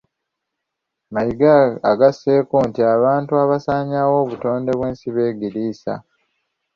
Mayiga agasseeko nti abantu abasaanyaawo obutonde bw'ensi beegiriisa